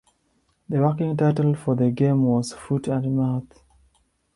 The working title for the game was "Foot and Mouth".